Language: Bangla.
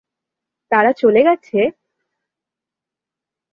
তারা চলে গেছে?